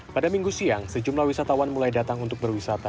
pada minggu siang sejumlah wisatawan mulai datang untuk berwisata